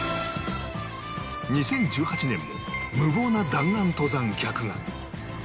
２０１８年も無謀な弾丸登山客が